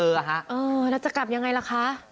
แล้วจะกลับยังไงล่ะคะ